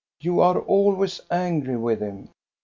You are always angry with him.